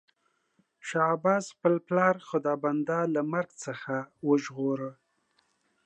شاه عباس خپل پلار خدابنده له مرګ څخه وژغوره.